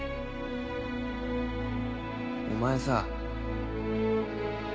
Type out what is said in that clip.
お前さ。